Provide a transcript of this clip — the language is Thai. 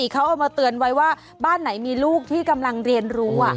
เขาเอามาเตือนไว้ว่าบ้านไหนมีลูกที่กำลังเรียนรู้